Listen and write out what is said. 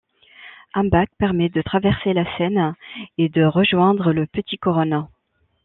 Un bac permet de traverser la Seine et de rejoindre Le Petit-Couronne.